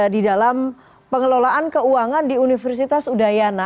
di dalam pengelolaan keuangan di universitas udayana